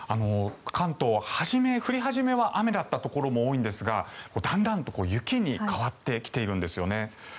関東、降り始めは雨だったところも多かったんですがだんだんと雪に変わってきているんですよね。